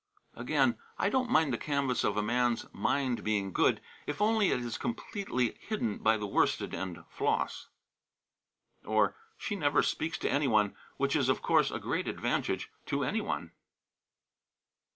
Again: "I don't mind the canvas of a man's mind being good, if only it is completely hidden by the worsted and floss." Or: "She never speaks to any one, which is, of course, a great advantage to any one."